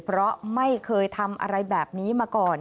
เพราะไม่เคยทำอะไรแบบนี้มาก่อน